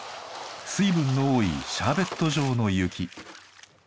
水分の多いシャーベット状の雪。